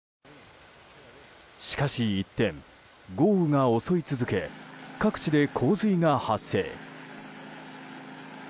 しかし一転、豪雨が襲い続け各地で洪水が発生。